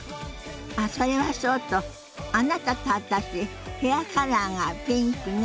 あっそれはそうとあなたと私ヘアカラーがピンクね。